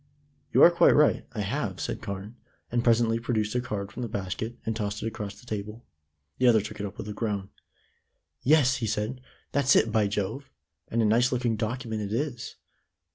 "You are quite right; I have," said Carne, and presently produced a card from the basket, and tossed it across the table. The other took it up with a groan. "Yes," he said, "that's it, by Jove! And a nice looking document it is.